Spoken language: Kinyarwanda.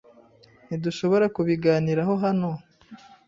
Ntidushobora kubiganiraho hano?